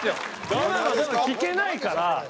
今のでも聞けないから。